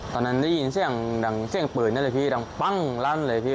ตอนนั้นได้ยินเสียงดังเสียงปืนนั่นแหละพี่ดังปั้งลั่นเลยพี่